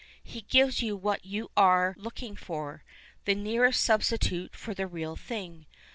He gives you what you arc looking for, the nearest substitute for the real thing.